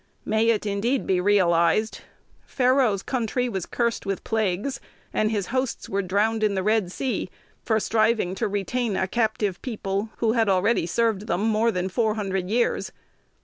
May it indeed be realized! Pharaoh's country was cursed with plagues, and his hosts were drowned in the Red Sea, for striving to retain a captive people who had already served them more than four hundred years.